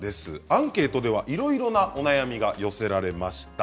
アンケートではいろいろなお悩みが寄せられました。